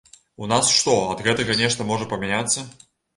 У нас што, ад гэтага нешта можа памяняцца.